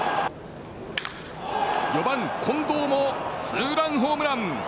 ４番、近藤のツーランホームラン！